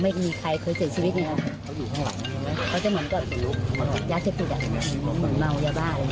มีฯประจำเลย